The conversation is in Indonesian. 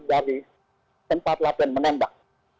dari tempat latihan menembak